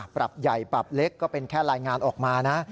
ปรับใหญ่ปรับเล็กก็เป็นแค่รายงานออกมานะ